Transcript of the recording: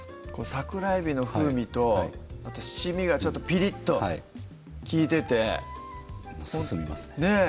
桜えびの風味とあと七味がピリッときいてて進みますねねぇ